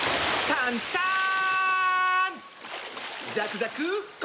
タンターン！